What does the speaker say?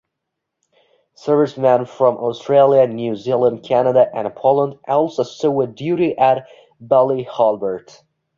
Servicemen from Australia, New Zealand, Canada and Poland also saw duty at Ballyhalbert.